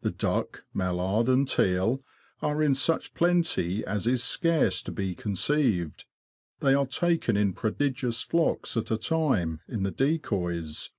The duck, mallard, and teal, are in such plenty as is scarce to be conceived. They are taken in prodigious flocks at a time, in the decoys.